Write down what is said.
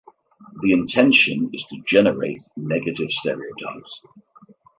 The intention is to generate negative stereotypes.